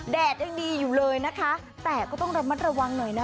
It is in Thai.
แดดยังดีอยู่เลยนะคะแต่ก็ต้องระมัดระวังหน่อยนะ